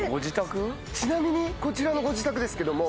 ちなみにこちらのご自宅ですけども。